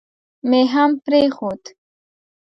مې هم پرېښود.